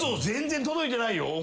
全然届いてないよ。